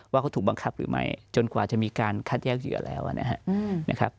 ว่าเขาถูกบังคับหรือไม่จนกว่าจะมีการคัดแยกเหยื่อแล้วนะครับ